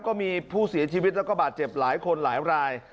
ก็มีผู้เสียชีวิตแล้วก็บาดเจ็บหลายคนหลายราย